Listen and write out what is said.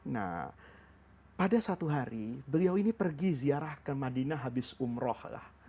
nah pada satu hari beliau ini pergi ziarah ke madinah habis umroh lah